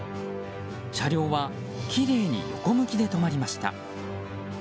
車両はきれいに横向きで止まりました。